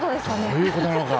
どういうことなのか